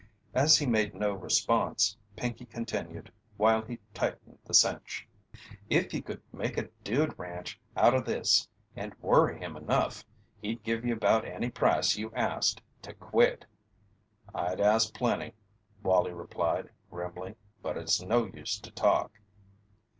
As he made no response, Pinkey continued while he tightened the cinch: "If you could make a dude ranch out o' this and worry him enough, he'd give you about any price you asked, to quit." "I'd ask plenty," Wallie replied, grimly, "but it's no use to talk."